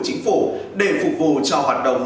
chính phủ để phục vụ cho hoạt động